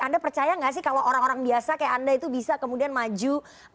anda percaya nggak sih kalau orang orang biasa kayak anda itu bisa kemudian maju